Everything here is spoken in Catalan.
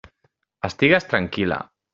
Estigues tranquil·la.